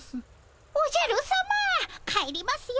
おじゃるさま帰りますよ！